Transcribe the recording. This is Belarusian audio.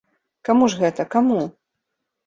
Каму ж гэта, каму?